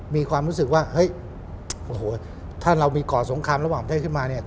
มีความรู้สึกว่าเฮ้ยโอ้โหถ้าเรามีก่อสงครามระหว่างประเทศขึ้นมาเนี่ย